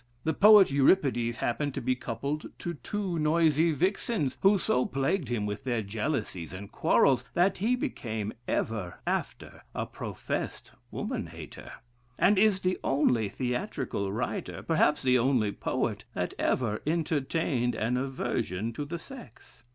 The poet Euripides happened to be coupled to two noisy vixens, who so plagued him with their jealousies and quarrels, that he became ever after a professed woman hater; and is the only theatrical writer, perhaps the only poet, that ever entertained an aversion to the sex....